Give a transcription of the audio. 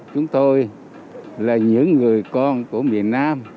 chúng tôi là những người con của miền nam